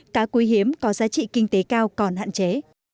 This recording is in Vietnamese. cá quý hiếm có giá trị kinh tế cao còn hạn chế